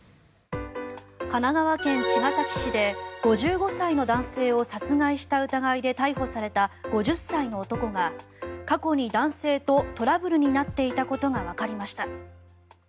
神奈川県茅ヶ崎市で５５歳の男性を殺害した疑いで逮捕された５０歳の男が過去に男性とトラブルになっていたことがわかりました。